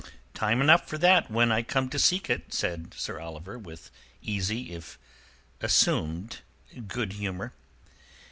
"Time enough for that when I come to seek it," said Sir Oliver, with easy, if assumed, good humour.